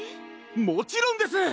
もちろんです！